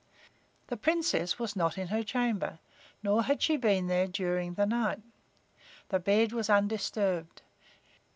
The Princess was not in her chamber, nor had she been there during the night. The bed was undisturbed.